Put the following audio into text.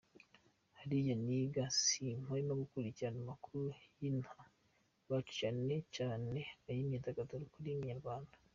Hariya niga simpwema gukurikirana amakuru y’inaha iwacu cyane cyane ay’imyidagaduro kuri Inyarwanda.